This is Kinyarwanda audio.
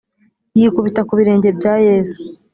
yikubita ku birenge bya yesu